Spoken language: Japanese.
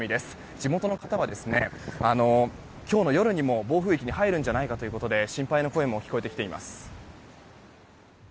地元の方は、今日の夜に暴風域に入るんじゃないかと心配の声も聞こえてきています。